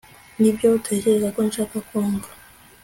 nibyo utekereza ko nshaka kumva